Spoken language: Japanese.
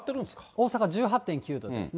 大阪１８．９度ですね。